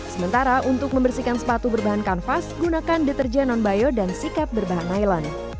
sementara untuk membersihkan sepatu berbahan kanvas gunakan deterjen non bio dan sikap berbahan island